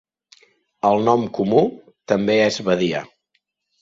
El nom comú també és badia.